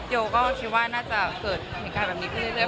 โยก็คิดว่าน่าจะเกิดเหตุการณ์แบบนี้ขึ้นเรื่อย